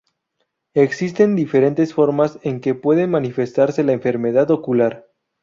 Existen diferentes formas en que puede manifestarse la enfermedad ocular.